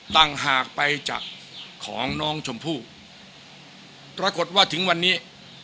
ต่างหากไปจากของน้องชมพู่ปรากฏว่าถึงวันนี้